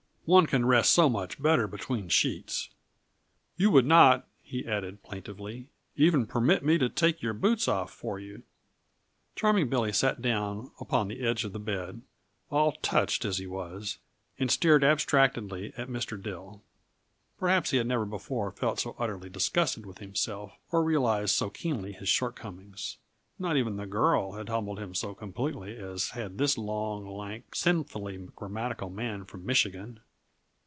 One can rest so much better between sheets. You would not," he added plaintively, "even permit me to take your boots off for you." Charming Billy sat down upon the edge of the bed, all tousled as he was, and stared abstractedly at Mr. Dill. Perhaps he had never before felt so utterly disgusted with himself, or realized so keenly his shortcomings. Not even the girl had humbled him so completely as had this long, lank, sinfully grammatical man from Michigan.